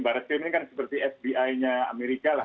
barat skrim ini kan seperti fbi nya amerika lah